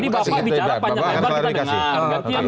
bapak bicara panjang panjang kita dengar